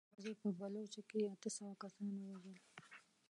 يواځې په بلوڅو کې يې اته سوه کسان ووژل.